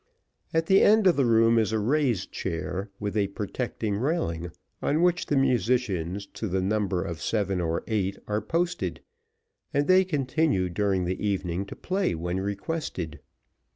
At the end of the room is a raised chair, with a protecting railing, on which the musicians, to the number of seven or eight, are posted, and they continue during the evening to play when requested.